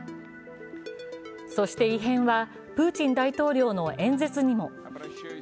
そして異変はプーチン大統領の演説でも。